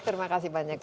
terima kasih banyak pak